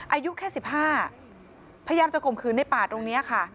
อายุแค่๑๕พยายามจะข่มขืนในป่าตรงนี้ค่ะ